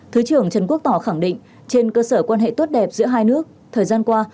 thứ trưởng trần quốc tỏ khẳng định trên cơ sở quan hệ tốt đẹp giữa hai nước thời gian qua